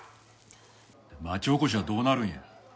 町おこしはどうなるんや。